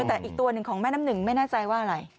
แต่อีกตัวหนึ่งของแม่น้ำหนึ่งไม่แน่ใจว่าอะไร